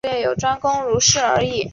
当地有一同名天然气田。